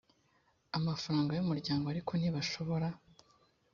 amafaranga y umuryango ariko ntibashobora